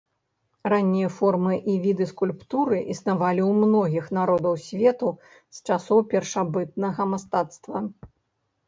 Раннія формы і віды скульптуры існавалі ў многіх народаў свету з часоў першабытнага мастацтва.